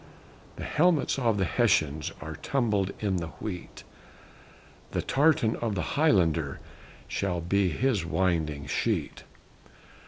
The helmets of the Hessians Are tumbled in the wheat; The tartan of the Highlander Shall be his winding sheet!